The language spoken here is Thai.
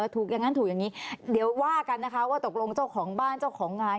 ถูกอย่างนั้นถูกอย่างนี้เดี๋ยวว่ากันนะคะว่าตกลงเจ้าของบ้านเจ้าของงาน